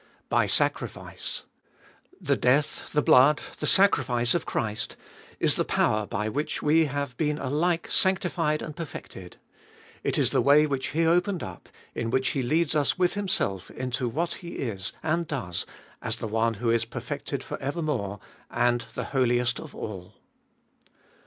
By sacrifice. The death, the blood, the sacrifice of Christ, is the power by which we have been alike sanctified and perfected. It is the way which He opened up, in which He leads us with Himself into what He is and does as the One who is perfected for evermore, and the Holiest of All.